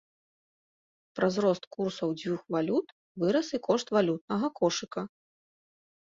Праз рост курсаў дзвюх валют вырас і кошт валютнага кошыка.